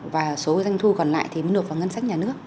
và số doanh thu còn lại thì mới nộp vào ngân sách nhà nước